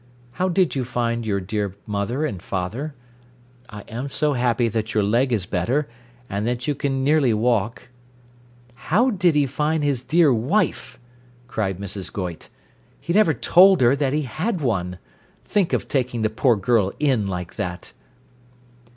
How did you find your dear mother and father? I am so happy that your leg is better, and that you can nearly walk '" "How did he find his dear wife!" cried Mrs. Goyte. "He never told her that he had one. Think of taking the poor girl in like that!"